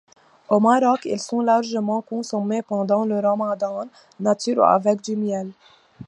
Au Maroc, ils sont largement consommés pendant le ramadan, nature ou avec du miel.